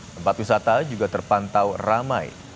tempat wisata juga terpantau ramai